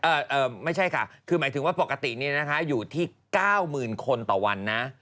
เอ่อไม่ใช่ค่ะคือหมายถึงว่าปกตินี้นะคะอยู่ที่๙๐๐๐๐คนต่อวันนะ